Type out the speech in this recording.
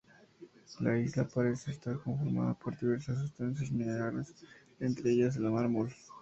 La isla parece estar conformada por diversas sustancias minerales, entre ellas el mármol.